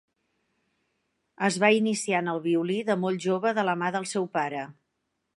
Es va iniciar en el violí de molt jove de la mà del seu pare.